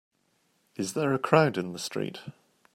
Is there a crowd in the street?